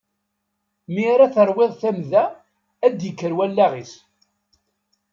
Mi ara terwiḍ tamda, ad d-ikker wallaɣ-is.